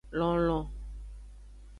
Lonlon.